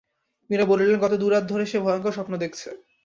মীরা বললেন, গত দু রাত ধরে সে ভয়ংকর স্বপ্ন দেখছে।